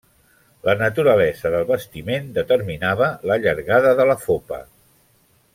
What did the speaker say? La naturalesa del vestiment determinava la llargada de la fopa.